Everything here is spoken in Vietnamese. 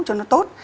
cho nó tốt